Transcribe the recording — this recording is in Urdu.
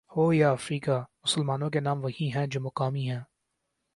ہو یا افریقہ مسلمانوں کے نام وہی ہیں جو مقامی ہیں۔